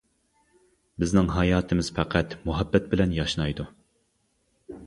بىزنىڭ ھاياتىمىز پەقەت مۇھەببەت بىلەن ياشنايدۇ.